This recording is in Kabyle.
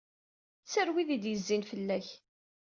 Tter wid ay d-yezzin fell-ak.